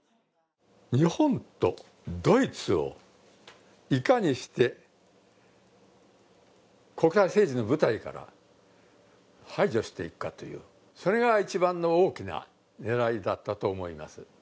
日本とドイツをいかにして国際政治の舞台から排除していくかという、それが一番大きな狙いだったと思います。